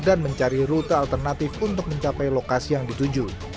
dan mencari rute alternatif untuk mencapai lokasi yang dituju